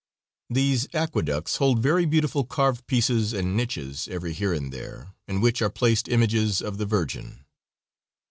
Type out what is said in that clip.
These aqueducts hold very beautiful carved pieces and niches, every here and there, in which are placed images of the Virgin.